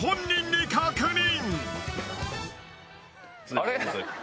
あれ？